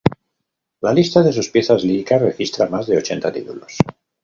La lista de sus piezas líricas registra más de ochenta títulos.